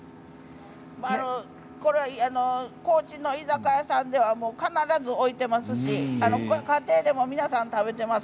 高知の居酒屋さんでは必ず置いていますし家庭でも皆さん、食べています。